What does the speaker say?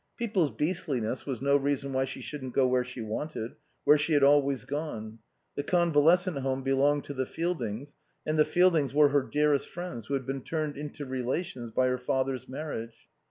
People's beastliness was no reason why she shouldn't go where she wanted, where she had always gone. The Convalescent Home belonged to the Fieldings, and the Fieldings were her dearest friends who had been turned into relations by her father's marriage.